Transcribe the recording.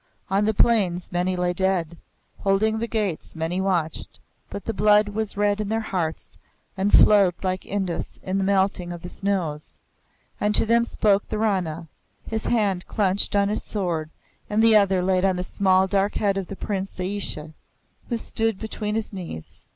On the plains many lay dead; holding the gates many watched; but the blood was red in their hearts and flowed like Indus in the melting of the snows. And to them spoke the Rana, his hand clenched on his sword, and the other laid on the small dark head of the Prince Ajeysi, who stood between his knees.